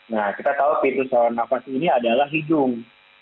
nah kita tahu virus seorang napas ini adalah hidung